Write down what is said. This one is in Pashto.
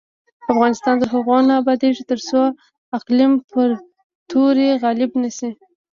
افغانستان تر هغو نه ابادیږي، ترڅو قلم پر تورې غالب نشي.